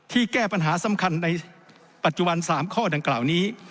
แก้ปัญหาสำคัญในปัจจุบัน๓ข้อดังกล่าวนี้